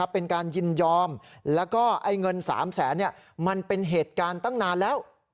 เป็นการยินยอมแล้วก็เงิน๓แสนมันเป็นเหตุการณ์ตั้งนานแล้ว